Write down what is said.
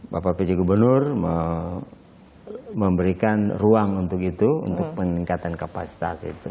bapak pj gubernur memberikan ruang untuk itu untuk peningkatan kapasitas itu